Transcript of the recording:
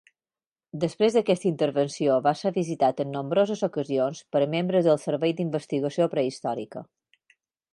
Després d'aquesta intervenció va ser visitat en nombroses ocasions per membres del Servei d'Investigació Prehistòrica.